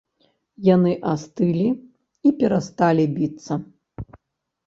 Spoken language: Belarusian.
Яны астылі і перасталі біцца.